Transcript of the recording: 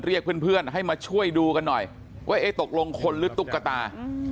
เรียกเพื่อนให้มาช่วยดูกันหน่อยว่าเอ๊ะตกลงคนหรือตุ๊กตา